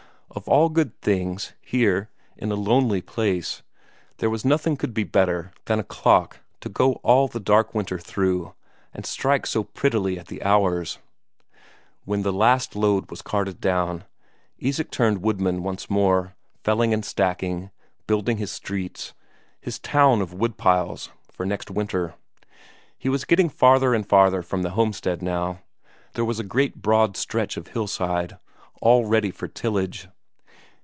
Of all good things, here in a lonely place, there was nothing could be better than a clock to go all the dark winter through, and strike so prettily at the hours. When the last load was carted down, Isak turned woodman once more, felling and stacking, building his streets, his town of wood piles for next winter. He was getting farther and farther from the homestead now, there was a great broad stretch of hillside all ready for tillage.